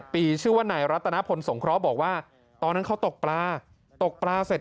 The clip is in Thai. ปีชื่อว่านายรัตนพลสงเคราะห์บอกว่าตอนนั้นเขาตกปลาตกปลาเสร็จ